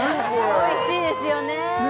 おいしいですよね